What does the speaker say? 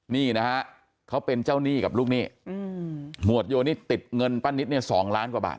นี่นะฮะเขาเป็นเจ้าหนี้กับลูกหนี้หมวดโยนี่ติดเงินป้านิตเนี่ย๒ล้านกว่าบาท